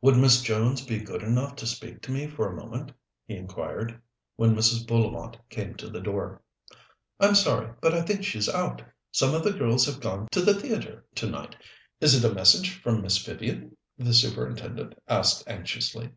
"Would Miss Jones be good enough to speak to me for a moment?" he inquired, when Mrs. Bullivant came to the door. "I'm sorry, but I think she's out. Some of the girls have gone to the theatre tonight. Is it a message from Miss Vivian?" the Superintendent asked anxiously.